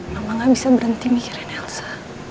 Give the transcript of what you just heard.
mama gak bisa berhenti mikirin elsa